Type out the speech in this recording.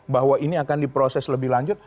bahwa ini akan diproses lebih lanjut